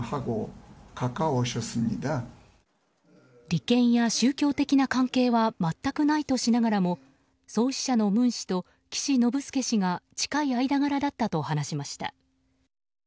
利権や宗教的な関係は全くないとしながらも創始者の文氏と岸信介氏が近い間柄だったと話しました。